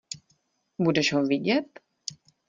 Budeš ho vidět?